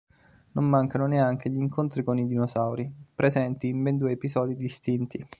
Non mancano neanche gli incontri con i dinosauri, presenti in ben due episodi distinti.